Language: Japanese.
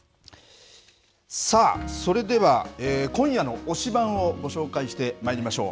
さあ、それでは今夜の推しバン！をご紹介してまいりましょう。